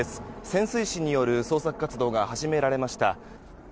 潜水士による捜索活動が始められました。